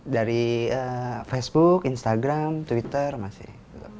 dari facebook instagram twitter masih